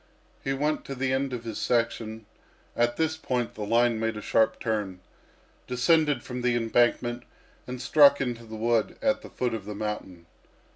He went to the end of his section at this point the line made a sharp turn descended the embankment, and struck into the wood at the foot of the mountain.